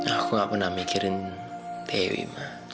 aku gak pernah mikirin dewi mak